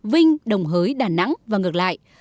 vinh đồng hới đà nẵng và ngược lại